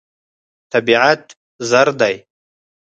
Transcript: طبیعت زر دی.